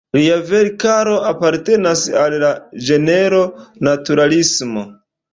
Lia verkaro apartenas al la ĝenro naturalismo.